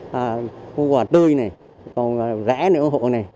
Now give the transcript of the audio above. khu quả tươi này còn rẽ nữ ủng hộ này